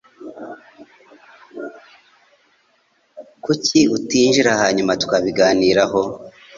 Kuki utinjira hanyuma tukabiganiraho?